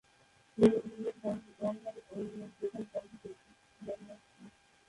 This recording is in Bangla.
তিনি ইংরেজ ব্যান্ড ওয়ান নাইট অনলি-এর প্রধান কন্ঠশিল্পী।